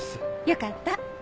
よかった。